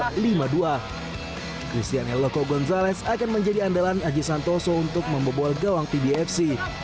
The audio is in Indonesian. christian el loco gonzales akan menjadi andalan aji santoso untuk membebol gawang pbfc